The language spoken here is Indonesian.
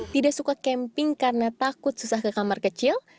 tidak suka camping karena takut susah ke kamar kecil